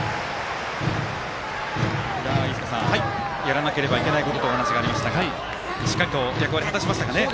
飯塚さんやらなければいけないことというお話がありましたがしっかりと役割を果たしましたね。